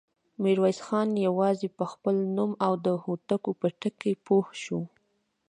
ميرويس خان يواځې په خپل نوم او د هوتکو په ټکي پوه شو.